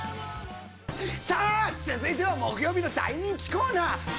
さあ続いては木曜日の大人気コーナー！